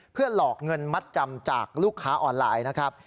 เพื่อหลอกเงินมัดจำจากลูกค้าออนไลน์นะครับ